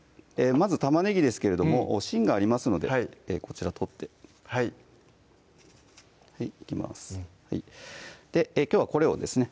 まず玉ねぎですけれども芯がありますのでこちら取ってきょうはこれをですね